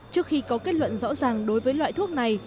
trước khi có kết luận rõ ràng đối với loại thuốc này